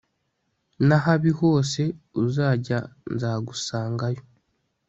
n'ahabi hose uzajya nzagusangayo